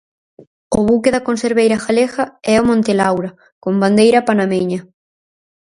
O buque da conserveira galega é o Montelaura, con bandeira panameña.